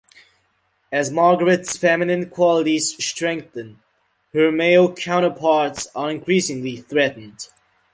As Margaret's feminine qualities strengthen, her male counterparts are increasingly threatened.